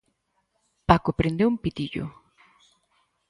Paco prendeu un pitillo.